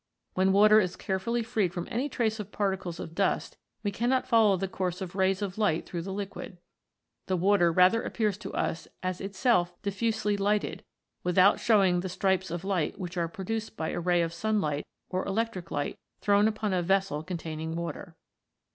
When water is carefully freed from any trace of particles of dust, we cannot follow the course of rays of light through the liquid. The water rather appears to us as itself diffusely lighted without showing the stripes of light which are produced by a ray of sunlight or electric light thrown upon a vessel containing water.